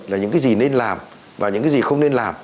là những cái gì nên làm và những cái gì không nên làm